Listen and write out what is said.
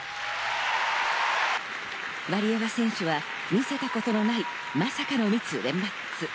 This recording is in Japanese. ワリエワ選手は見せたことのない、まさかのミス連発。